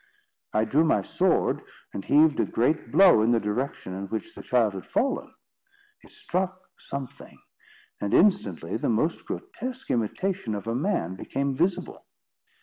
I drew my sword and heaved a great blow in the direction in which the child had fallen. It struck something, and instantly the most grotesque imitation of a man became visible.